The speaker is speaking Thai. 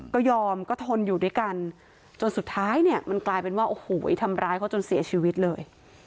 ก็ยอมก็ทนอยู่ด้วยกันจนสุดท้ายเนี่ยมันกลายเป็นว่าโอ้โหทำร้ายเขาจนเสียชีวิตเลย